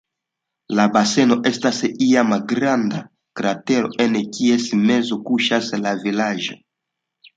La baseno estas iama granda kratero, en kies mezo kuŝas la vilaĝo.